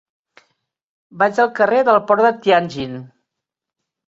Vaig al carrer del Port de Tianjin.